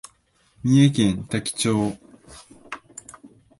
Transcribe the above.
三重県多気町